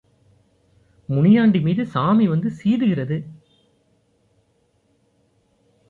முனியாண்டிமீது சாமி வந்து சீது கிறது.